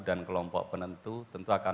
dan kelompok penentu tentu akan